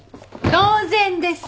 当然です。